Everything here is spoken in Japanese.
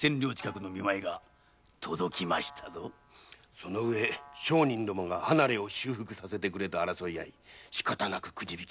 その上商人どもが「離れ」を修復させてくれと争いあいしかたなくクジびきを。